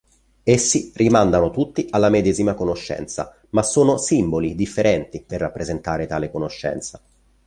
Essi rimandano tutti alla medesima conoscenza, ma sono "simboli" differenti per rappresentare tale conoscenza.